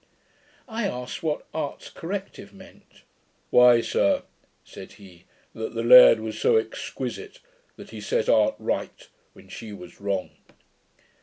I asked, what 'Art's corrective' meant. 'Why, sir,' said he, 'that the laird was so exquisite, that he set Art right, when she was wrong.'